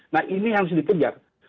nah ini harus dikejar